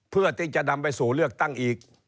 เพื่อที่จะนำไปสู่เลือกตั้งอีก